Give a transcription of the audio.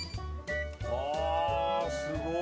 ああすごい。